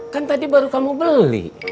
kan tadi baru kamu beli